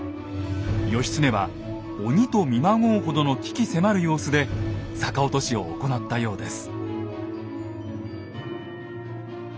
義経は鬼と見まごうほどの鬼気迫る様子で逆落としを行ったようです。